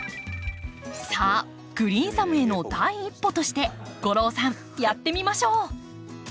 さあグリーンサムへの第一歩として吾郎さんやってみましょう！